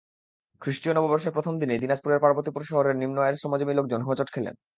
খ্রিষ্টীয় নববর্ষের প্রথম দিনেই দিনাজপুরের পার্বতীপুর শহরের নিম্ন আয়ের শ্রমজীবী লোকজন হোঁচট খেলেন।